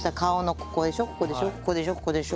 ここでしょここでしょ。